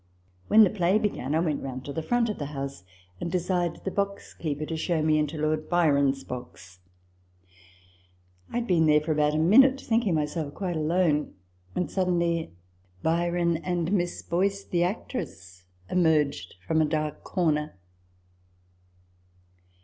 When the play began, I went round to the front of the house, and desired the box keeper to show me into Lord Byron's box. I had been there about a minute, thinking myself quite alone, when suddenly * Canto i. St. 1 1 . TABLE TALK OF SAMUEL ROGERS 179 Byron and Miss Boyce (the actress) emerged from a dark corner.